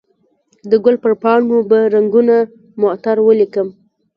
د ګل پر پاڼو به رنګونه معطر ولیکم